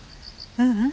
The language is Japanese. ううん。